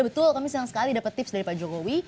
betul kami senang sekali dapat tips dari pak jokowi